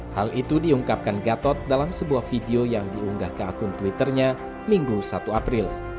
hal itu diungkapkan gatot dalam sebuah video yang diunggah ke akun twitternya minggu satu april